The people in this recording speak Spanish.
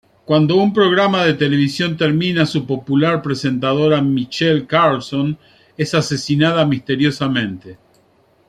Cuando un programa de televisión termina su popular presentadora Michelle Carlsson, es asesinada misteriosamente.